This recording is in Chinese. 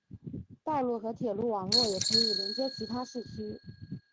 道路和铁路网络也可以连接其他市区。